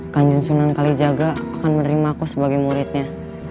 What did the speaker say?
kanjeng sunan kalijaga akan menerima aku sebagai muridnya